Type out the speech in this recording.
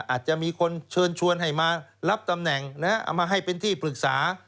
อาจจะมีคนเชิญชวนให้มารับตำแหน่งเอามาให้เป็นที่ปรึกษา